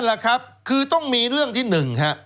แหละครับคือต้องมีเรื่องที่หนึ่งฮะ